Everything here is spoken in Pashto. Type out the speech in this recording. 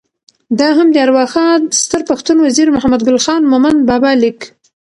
دا هم د ارواښاد ستر پښتون وزیر محمد ګل خان مومند بابا لیک: